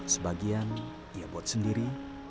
sebagian ia buat sendiri